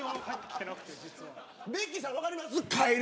ベッキーさん分かりますか。